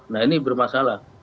nah ini bermasalah